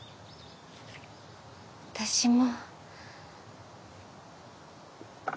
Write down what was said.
私も。